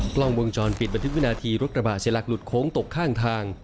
กล้องวงจรปิดบันทึกวินาทีรถกระบะเสียหลักหลุดโค้งตกข้างทาง